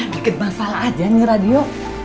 dikit masalah aja nih radio